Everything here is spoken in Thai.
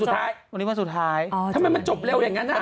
สุดท้ายวันนี้วันสุดท้ายทำไมมันจบเร็วอย่างนั้นอ่ะ